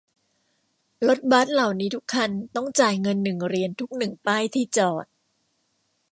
รถบัสเหล่านี้ทุกคันต้องจ่ายเงินหนึ่งเหรียญทุกหนึ่งป้ายที่จอด